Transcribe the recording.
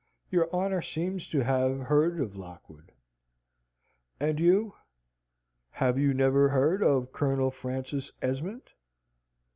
"Your honour seems to have heard of Lockwood?" "And you, have you never heard of Colonel Francis Esmond?"